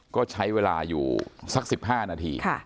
ก็ใช้เวลาอยู่สัก๑๕นาที